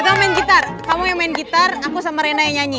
suka main gitar kamu yang main gitar aku sama rena yang nyanyi